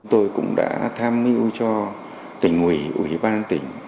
tôi cũng đã tham mưu cho tỉnh ủy ủy ban dân tỉnh